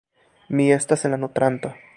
Mi estas la nutranto.